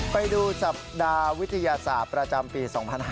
ไปดูสัปดาห์วิทยาศาสตร์ประจำปี๒๕๕๙